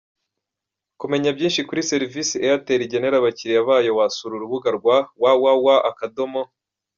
Kumenya byinshi ku serivisi Airtel igenera abakiriya bayo wasura urubuga rwa www.